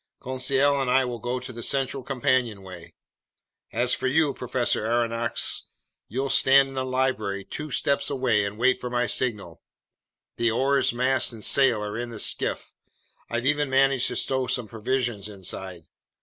Conseil and I will go to the central companionway. As for you, Professor Aronnax, you'll stay in the library two steps away and wait for my signal. The oars, mast, and sail are in the skiff. I've even managed to stow some provisions inside.